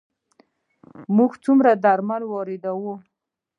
موږ څومره درمل واردوو؟